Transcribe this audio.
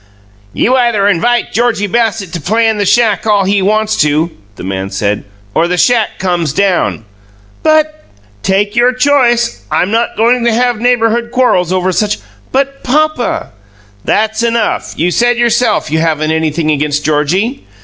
"You either invite Georgie Bassett to play in the shack all he wants to," the man said, "or the shack comes down." "But " "Take your choice. I'm not going to have neighbourhood quarrels over such " "But, Papa " "That's enough! You said yourself you haven't anything against Georgie."